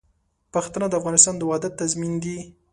پښتانه د افغانستان د وحدت تضمین دي.